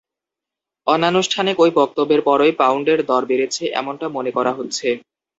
অনানুষ্ঠানিক ওই বক্তব্যের পরই পাউন্ডের দর বেড়েছে এমনটা মনে করা হচ্ছে।